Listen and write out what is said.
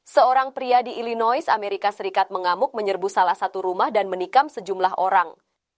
seorang pria di illinois amerika serikat mengamuk menyerbu salah satu rumah dan menikam sejumlah orang